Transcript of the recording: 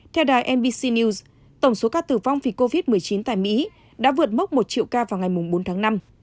theo đài mbc news tổng số ca tử vong vì covid một mươi chín tại mỹ đã vượt mốc một triệu ca vào ngày bốn tháng năm